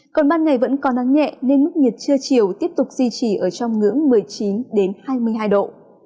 còn ban ngày vẫn còn nắng nhẹ nên mức nhiệt trưa chiều tiếp tục di trì ở trong ngưỡng một mươi chín đến hai mươi hai độ